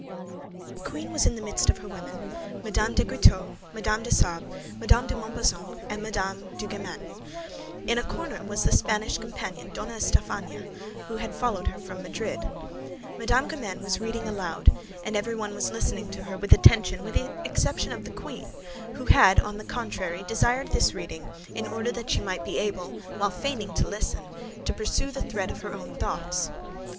The queen was in the midst of her women—Mme. de Guitaut, Mme. de Sable, Mme. de Montbazon, and Mme. de Guémené. In a corner was the Spanish companion, Donna Estafania, who had followed her from Madrid. Mme. Guémené was reading aloud, and everybody was listening to her with attention with the exception of the queen, who had, on the contrary, desired this reading in order that she might be able, while feigning to listen, to pursue the thread of her own thoughts.